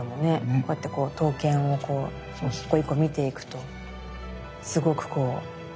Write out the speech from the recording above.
こうやってこう刀剣をこう一個一個見ていくとすごくこう何だろう。